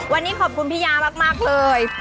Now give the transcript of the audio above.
วันนี้ขอบคุณพี่ยามากเลย